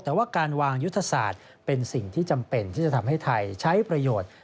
แต่ว่าการวางยุทธศาสตร์เป็นสิ่งที่จำเป็นที่จะทำให้ไทยใช้ประโยชน์